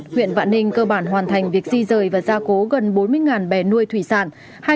huyện vạn ninh cơ bản hoàn thành việc di rời và gia cố gần bốn mươi bè nuôi thủy sản